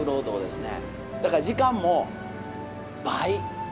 だから時間も倍。